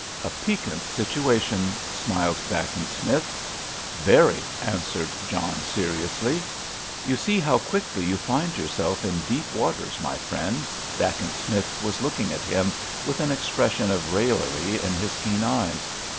"A piquant situation," smiled Dacent Smith. "Very!" answered John, seriously. "You see how quickly you find yourself in deep waters, my friend." Dacent Smith was looking at him with an expression of raillery in his keen eyes.